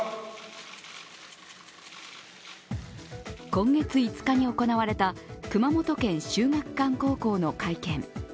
今月５日に行われた熊本県・秀岳館高校の会見。